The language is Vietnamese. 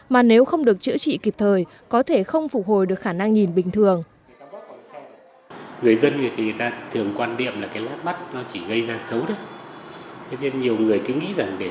mà nếu không được chữa trị kịp thời có thể không phục hồi được khả năng nhìn bình thường